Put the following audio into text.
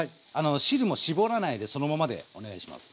汁もしぼらないでそのままでお願いします。